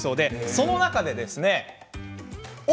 その中で、お！